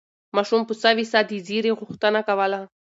ماشوم په سوې ساه د زېري غوښتنه کوله.